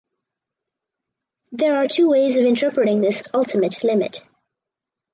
There are two ways of interpreting this "ultimate limit".